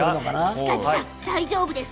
塚地さん、大丈夫です。